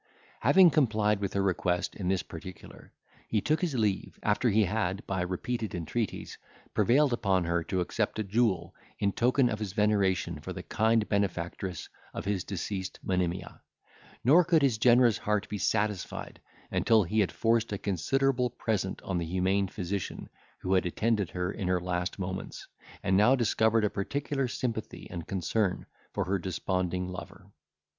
Having complied with her request in this particular, he took his leave, after he had, by repeated entreaties, prevailed upon her to accept a jewel, in token of his veneration for the kind benefactress of the deceased Monimia; nor could his generous heart be satisfied, until he had forced a considerable present on the humane physician who had attended her in her last moments, and now discovered a particular sympathy and concern for her desponding lover.